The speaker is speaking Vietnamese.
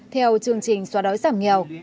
theo chương trình xóa đói giảm nghèo